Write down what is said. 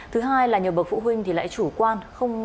thứ hai là nhiều bậc phụ huynh thì lại chủ quan